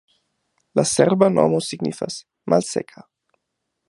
La serba nomo signifas: malseka.